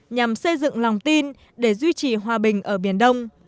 nhằm xây dựng lòng tin để duy trì hòa bình ở biển đông